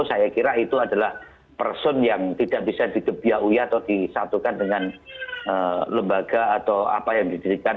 saya kira itu adalah person yang tidak bisa digebia uya atau disatukan dengan lembaga atau apa yang didirikan